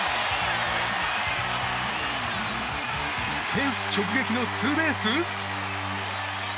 フェンス直撃のツーベース？